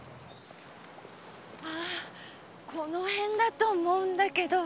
ああこの辺だと思うんだけど。